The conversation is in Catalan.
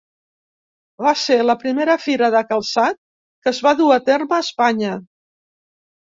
Va ser la primera fira de calçat que es va dur a terme a Espanya.